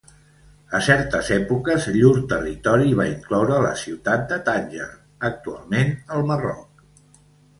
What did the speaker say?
A certes èpoques llur territori va incloure la ciutat de Tànger, actualment al Marroc.